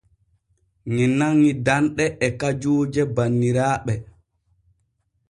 Ŋe nanŋi danɗe e kajuuje banniraaɓe.